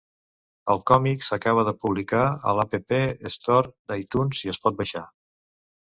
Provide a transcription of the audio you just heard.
El còmic s'acaba de publicar a l'App Store d'iTunes i es pot baixar.